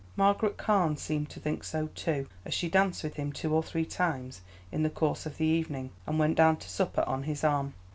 Margaret Carne seemed to think so, too, as she danced with him two or three times in the course of the evening, and went down to supper on his arm.